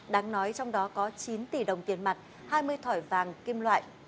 đáng nói trong đó có chín tỷ đồng tiền mặt hai mươi thỏi vàng kim loại